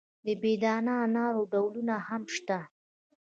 د بې دانه انارو ډولونه هم شته.